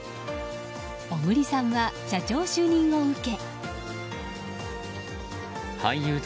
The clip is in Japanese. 小栗さんは社長就任を受け。